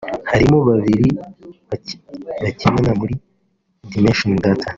harimo babiri bakinana muri Dimension Data